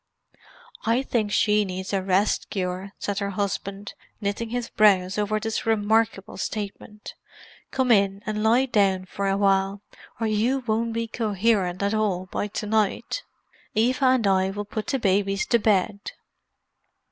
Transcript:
"I think she needs a rest cure!" said her husband, knitting his brows over this remarkable statement. "Come in and lie down for awhile, or you won't be coherent at all by to night; Eva and I will put the babies to bed."